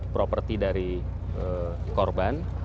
properti dari korban